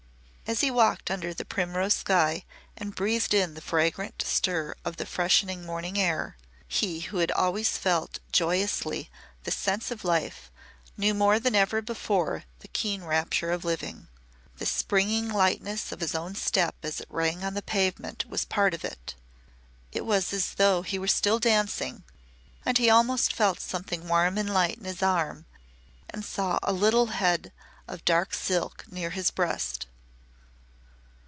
As he walked under the primrose sky and breathed in the faint fragrant stir of the freshening morning air, he who had always felt joyously the sense of life knew more than ever before the keen rapture of living. The springing lightness of his own step as it rang on the pavement was part of it. It was as though he were still dancing and he almost felt something warm and light in his arm and saw a little head of dark silk near his breast.